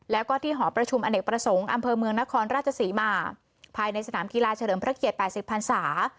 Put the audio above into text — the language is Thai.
แล้วก็ที่หอประชุมอเนกประสงค์อำเภอเมืองนครราชศรีมาภายในสนามกีฬาเฉลิมพระเกียรติ๘๐พันศา